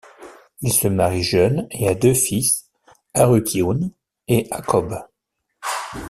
Il se marie jeune et a deux fils, Harutioun et Hakob.